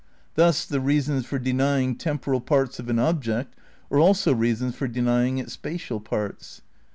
Thus the reasons for denying temporal parts of an object are also reasons for denying it spatial parts.